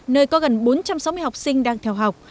nơi có gần bốn trăm sáu mươi học sinh đang theo học